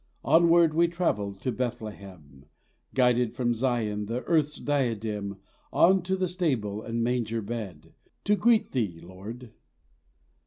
Onward we travelled to Bethlehem, Guided from Zion, the earth's diadem, On to a stable and manger bed, To greet Thee, Lord.